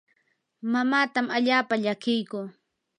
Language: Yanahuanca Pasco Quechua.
mamaatam allaapa llakiyku.